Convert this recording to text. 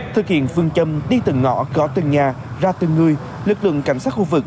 thực hiện phương châm đi từng ngõ gõ từng nhà ra từng người lực lượng cảnh sát khu vực